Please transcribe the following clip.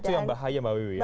itu yang bahaya mbak wiwi ya